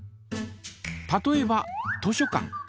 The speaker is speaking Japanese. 例えば図書館。